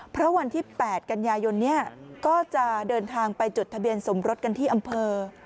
เพราะวันที่๘กันยายนก็จะเดินทางไปจดทะเบียนสมรสกันที่อำเภอ